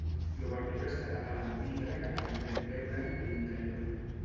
L'obertura està tapada amb vidre que permet veure'n l'interior.